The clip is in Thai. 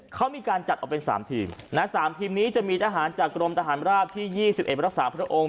เขามีการจัดออกเป็น๓ทีม๓ทีมนี้จะมีทหารจากกรมทหารราบที่๒๑รักษาพระองค์